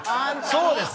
そうです